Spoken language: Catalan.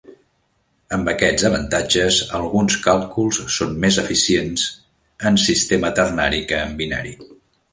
Amb aquests avantatges, alguns càlculs són més eficients en sistema ternari que en binari.